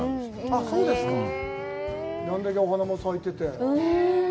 あれだけお花が咲いてて。